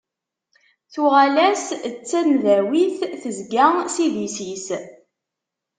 Tuɣal-as d tamdawit tezga s idis-is.